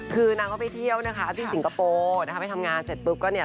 คือนางก็ไปเที่ยวนะคะที่สิงคโปร์นะคะไปทำงานเสร็จปุ๊บก็เนี่ย